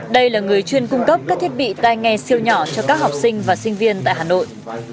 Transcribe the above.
đây là người chuyên cung cấp các thiết bị tai nghe siêu nhỏ cho các học sinh và sinh viên tại hà nội